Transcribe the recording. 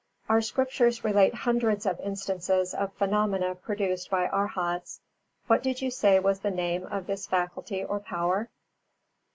_Our Scriptures relate hundreds of instances of phenomena produced by Arhats: what did you say was the name of this faculty or power?